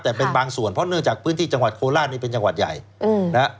แต่เป็นบางส่วนเพราะเนื่องจากพื้นที่จังหวัดโคราชนี่เป็นจังหวัดใหญ่นะฮะ